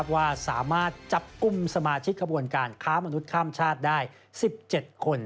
ว่าสามารถจับกลุ่มสมาชิกขบวนการค้ามนุษย์ข้ามชาติได้๑๗คน